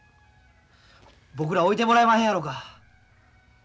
僕ら置いてもらえまへんやろか。